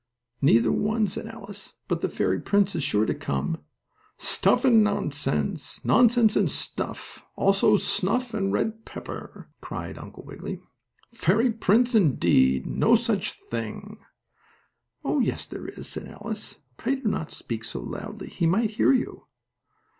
"Neither one," said Alice, "but the fairy prince is sure to come." "Stuff and nonsense. Nonsense and stuff, also snuff and red pepper!" cried Uncle Wiggily. "Fairy prince indeed! There's no such thing!" "Oh, yes, there is!" said Alice. "Pray do not speak so loudly. He might hear you."